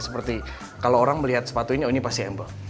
seperti kalau orang melihat sepatunya oh ini pasti embl